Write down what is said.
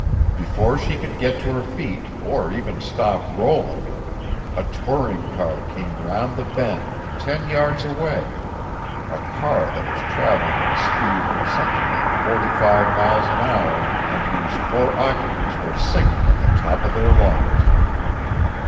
Before she could get to her feet or even stop rolling, a touring car came round the bend, ten yards away a car that was traveling at a speed of something like forty five miles an hour, and whose four occupants were singing at the top of their lungs.